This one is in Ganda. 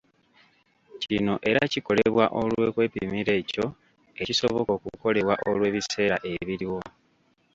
Kino era kikolebwa olw’okwepimira ekyo ekisoboka okukolebwa olw’ebiseera ebiriwo.